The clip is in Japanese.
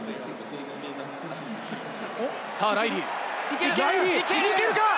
ライリー、いけるか？